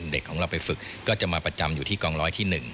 เด็กของเราไปฝึกก็จะมาประจำอยู่ที่กองร้อยที่๑